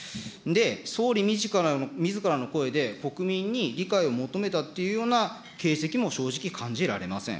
総理みずからの声で、国民に理解を求めたというような形跡も正直、感じられません。